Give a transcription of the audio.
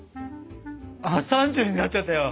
３０になっちゃったよ。